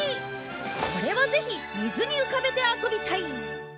これはぜひ水に浮かべて遊びたい！